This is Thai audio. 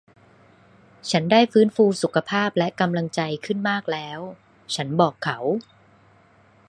ฉันได้ฟื้นฟูสุขภาพและกำลังใจขึ้นมากแล้ว ฉันบอกเขา